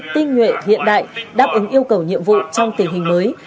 tinh nhuệ hiện đại đáp ứng yêu cầu nhiệm vụ trong tình hình mới